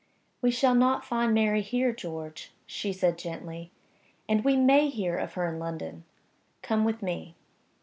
"We shall not find Mary here, George," she said, gently. "And we may hear of her in London. Come with me."